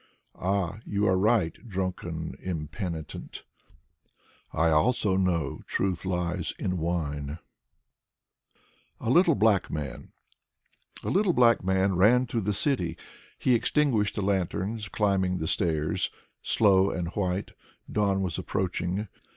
Ah, you are right, drunken impenitent! I also know: truth lies in wine. Alexander Blok 131 " A LITTLE BLACK MAN " A little black man ran through the city. He extinguished the lanterns, climbing the stairs. Slow and white, dawn was approaching.